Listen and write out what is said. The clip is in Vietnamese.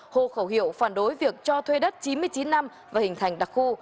hồ khẩu hiệu phản đối việc cho thuê đất chín mươi chín năm và hình thành đặc khu